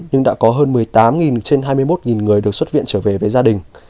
nhưng đã có hơn một mươi tám trên hai mươi một người được xuất viện trở về với gia đình